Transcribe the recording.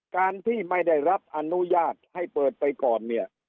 การที่ไม่ได้รับอนุญาตให้เปิดไปก่อนเนี่ย